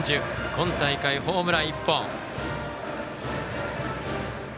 今大会ホームラン１本。